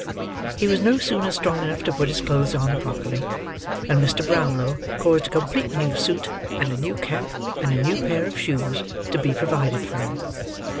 He was no sooner strong enough to put his clothes on, properly, than Mr. Brownlow caused a complete new suit, and a new cap, and a new pair of shoes, to be provided for him.